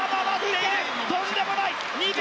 とんでもない！